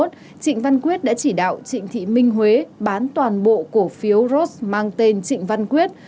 trịnh văn quyết đã chỉ đạo trịnh thị minh huế bán toàn bộ cổ phiếu ros mang tên trịnh văn quyết